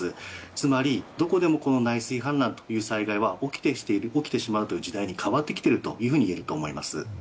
つまり、どこでもこの内水氾濫という災害は起きてしまうという時代に変わってきているといえると思います。